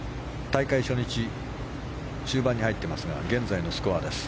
大会初日終盤に入ってますが現在のスコアです。